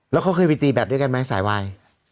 แล้วเขาเคยไปตีแบบด้วยกันไหมสายวาย